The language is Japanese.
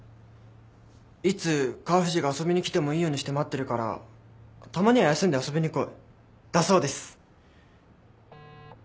「いつ川藤が遊びに来てもいいようにして待ってるからたまには休んで遊びに来い」だそうです。